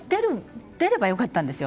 出ればよかったんですよ。